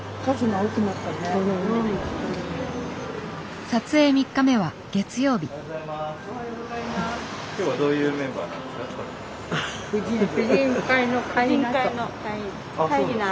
おはようございます。